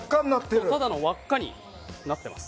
ただの輪っかになってます。